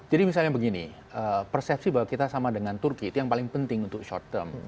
jadi misalnya begini persepsi bahwa kita sama dengan turki itu yang paling penting untuk short term